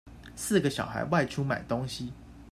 四個小孩外出買東西